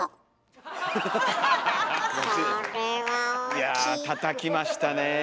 いやたたきましたね。